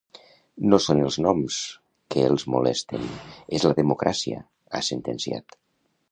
No són els noms, que els molesten, és la democràcia, ha sentenciat.